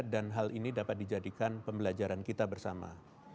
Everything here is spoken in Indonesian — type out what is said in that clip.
dan hal ini dapat dijadikan pembelajaran kita bersama